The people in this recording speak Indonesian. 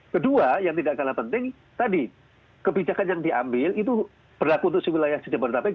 kedua yang tidak kalah penting tadi kebijakan yang diambil itu berlaku untuk si wilayah jabodetabek